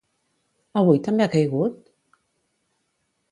Avui també ha caigut?